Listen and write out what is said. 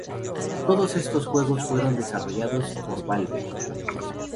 Todos estos juegos fueron desarrollados por Valve.